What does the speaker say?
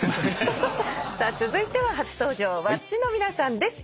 続いては初登場ｗａｃｃｉの皆さんです。